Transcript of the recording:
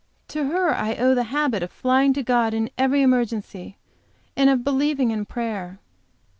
To her I owe the habit of flying to God in every emergency, and of believing in prayer.